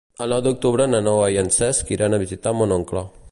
El nou d'octubre na Noa i en Cesc iran a visitar mon oncle.